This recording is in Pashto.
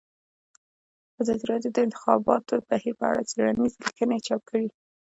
ازادي راډیو د د انتخاباتو بهیر په اړه څېړنیزې لیکنې چاپ کړي.